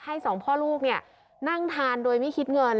สองพ่อลูกนั่งทานโดยไม่คิดเงิน